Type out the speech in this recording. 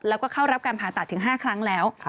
แล้วก็เข้ารับการผ่าตัดถึง๕ครั้งแล้ว